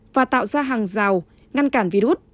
và tạo ra hàng rào ngăn cản virus